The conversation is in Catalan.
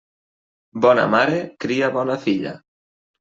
Bona mare cria bona filla.